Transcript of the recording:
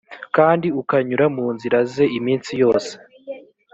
kandi ukanyura mu nzira ze iminsi yose